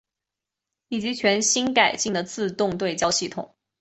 以及全新改进的自动对焦系统。